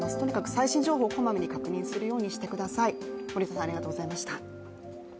最新情報をこまめに確認するようにしてください。